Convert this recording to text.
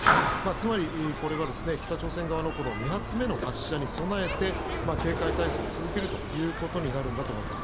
つまり、これは北朝鮮側の２発目の発射に備えて警戒態勢を続けるということになるんだと思います。